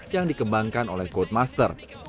dua ribu sembilan belas yang dikembangkan oleh code master